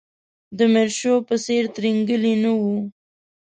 د میرشو په څېر ترینګلی نه و.